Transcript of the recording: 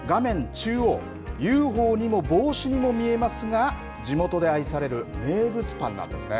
中央、ＵＦＯにも帽子にも見えますが、地元で愛される名物パンなんですね。